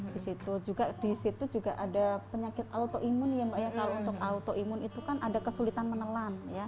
disitu juga ada penyakit autoimun yang banyak kalau untuk autoimun itu kan ada kesulitan menelan